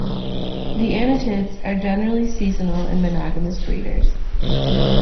The anatids are generally seasonal and monogamous breeders.